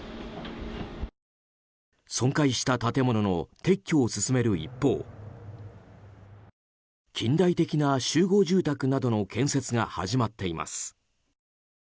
損壊した建物の撤去を進める一方近代的な集合住宅などの建設が始まっています。